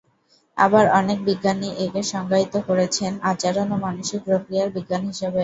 আবার অনেক বিজ্ঞানী একে সংজ্ঞায়িত করেছেন "আচরণ ও মানসিক প্রক্রিয়ার বিজ্ঞান" হিসেবে।।